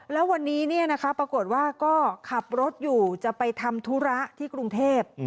แล้ววันนี้ปรากฏว่าก็ขับรถอยู่จะไปทำธุระที่กรุงเทพ